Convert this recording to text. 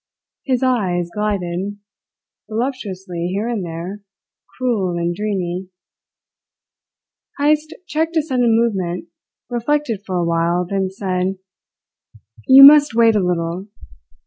His eyes glided: voluptuously here and there, cruel and dreamy, Heyst checked a sudden movement, reflected for a while, then said: "You must wait a little."